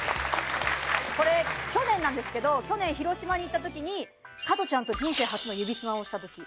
これ去年なんですけど去年広島に行ったときにカトちゃんと人生初の指スマをしたとき。